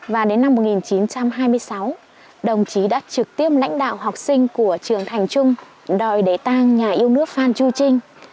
và đến năm một nghìn chín trăm hai mươi sáu đồng chí đã trực tiếp lãnh đạo học sinh của trường thành trung đòi đế tăng nhà yêu nước phan chu trinh